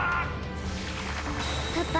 パパ！